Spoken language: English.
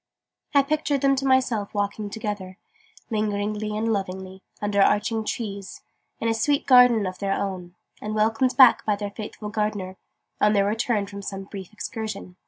I pictured them to myself walking together, lingeringly and lovingly, under arching trees, in a sweet garden of their own, and welcomed back by their faithful gardener, on their return from some brief excursion.